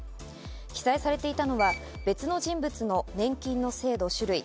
記載されていたのは別の人物の年金の制度・種類。